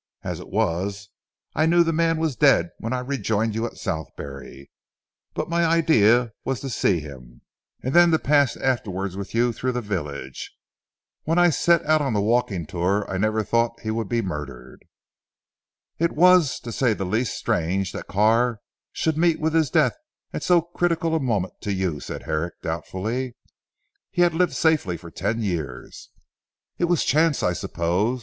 As it was I knew the man was dead when I rejoined you at Southberry. But my idea was to see him, and then to pass afterwards with you through the village. When I set out on the walking tour I never thought he would be murdered." "It was, to say the least, strange that Carr should meet with his death at so critical a moment to you," said Herrick doubtfully, "he had lived safely for ten years." "It was chance I suppose.